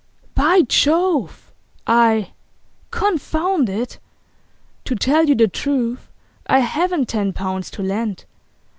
'By Jove! I confound it! To tell you the truth, I haven't ten pounds to lend.